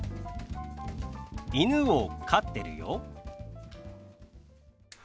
「犬を飼ってるよ」。